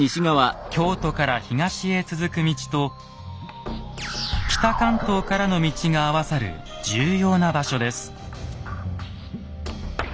京都から東へ続く道と北関東からの道が合わさる重要な場所です。